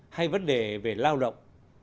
hay vấn đề về lao động